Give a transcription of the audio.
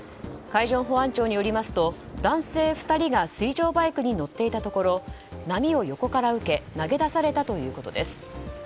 海上保安庁によりますと男性２人が水上バイクに乗っていたところ波を横から受け投げ出されたということです。